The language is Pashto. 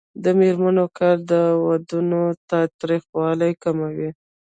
د میرمنو کار د ودونو تاوتریخوالی کموي.